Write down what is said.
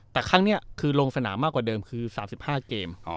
แต่ครั้งนี้คือลงสนามมากกว่าเดิมคือ๓๕เกม